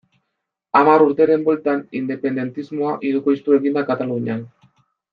Hamar urteren bueltan, independentismoa hirukoiztu egin da Katalunian.